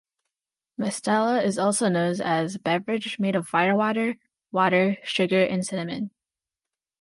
Mistela is also knows as a beverage made of firewater, water, sugar and cinnamon.